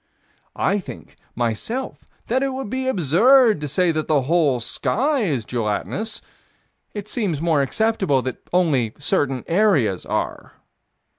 I think, myself, that it would be absurd to say that the whole sky is gelatinous: it seems more acceptable that only certain areas are.